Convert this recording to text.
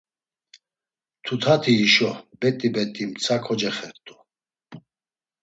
Tutati hişo, bet̆i bet̆i mtsa kocexert̆u.